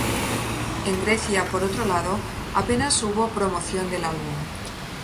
En Grecia, por otro lado, a penas hubo promoción del álbum.